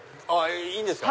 いいんですか？